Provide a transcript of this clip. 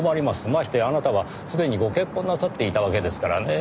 ましてやあなたはすでにご結婚なさっていたわけですからねぇ。